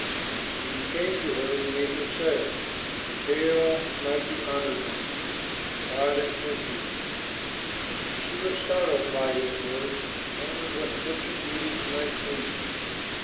When he came to her the angel said: "Hail, highly honored one! God is with you!" She was startled by his words and wondered what such a greeting might mean.